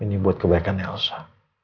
ini buat kebaikan elsa